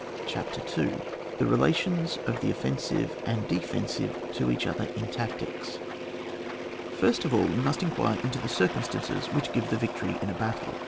CHAPTER II, THE RELATIONS OF THE OFFENSIVE AND DEFENSIVE TO EACH OTHER IN TACTICS. First of all we must inquire into the circumstances which give the victory in a battle.